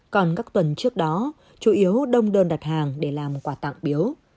còn các tuần trước đó chủ yếu đông đơn đặt hàng để làm quà tặng biếu